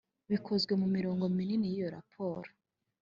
Bikozwe mu mirongo minini y’iyo raporo